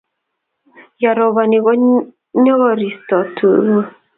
yaroboni ko nyerokisot tuguk